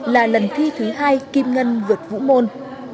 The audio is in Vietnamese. là lần thi thứ hai kim ngân vượt vũ môn